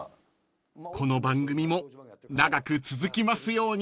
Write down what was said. ［この番組も長く続きますように］